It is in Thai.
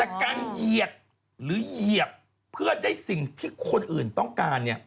แต่การเหยียดหรือเหยียบเพื่อได้สิ่งที่คนอื่นต้องการเนี่ย